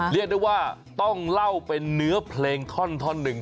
เรียกได้ว่าต้องเล่าเป็นเนื้อเพลงท่อนหนึ่ง